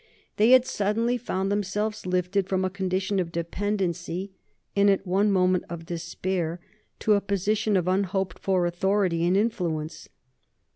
They had suddenly found themselves lifted from a condition of dependency and, at one moment, of despair to a position of unhoped for authority and influence.